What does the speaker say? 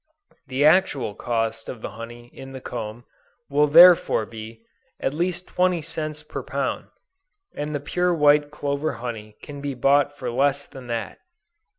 The actual cost of the honey in the comb, will therefore be, at least 20 cents per pound; and the pure white clover honey can be bought for less than that.